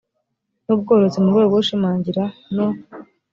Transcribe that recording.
n ubworozi mu rwego rwo gushimangira no